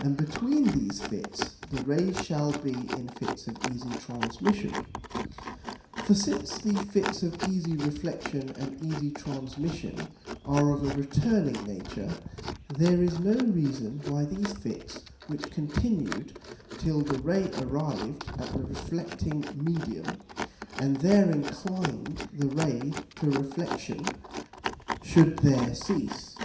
and between these Fits the Rays shall be in Fits of easy Transmission._ For since the Fits of easy Reflexion and easy Transmission are of a returning nature, there is no reason why these Fits, which continued till the Ray arrived at the reflecting Medium, and there inclined the Ray to Reflexion, should there cease.